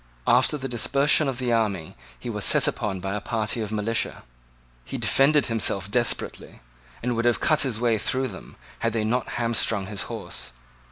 After the dispersion of the army he was set upon by a party of militia. He defended himself desperately, and would have cut his way through them, had they not hamstringed his horse.